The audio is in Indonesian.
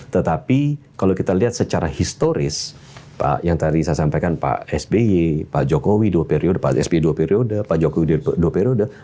tetapi kalau kita lihat secara historis yang tadi saya sampaikan pak sby pak jokowi dua periode pak sp dua periode pak jokowi dua periode